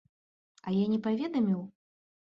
А я не паведаміў?